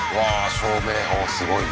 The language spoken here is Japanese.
照明おすごいね。